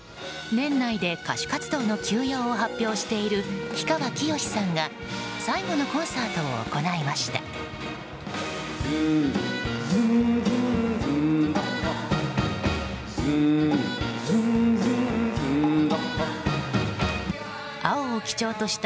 年内で歌手活動の休養を発表している氷川きよしさんが最後のコンサートを行いました。